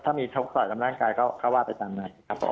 ถ้ามีโชคศอยลำร่างกายก็ว่าไปตามน่ะครับผม